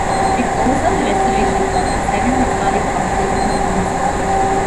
It oversaw the restoration of seven historic houses in Somerset.